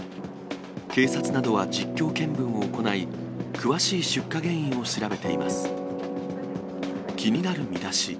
警察などは実況見分を行い、詳しい出火原因を調べています。